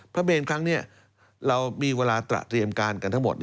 พระเมนครั้งนี้เรามีเวลาตระเตรียมการกันทั้งหมด